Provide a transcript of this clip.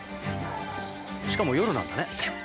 しかも夜なんだね。